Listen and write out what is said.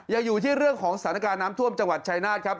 ยังอยู่ที่เรื่องของสถานการณ์น้ำท่วมจังหวัดชายนาฏครับ